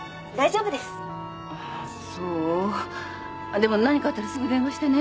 でも何かあったらすぐ電話してね。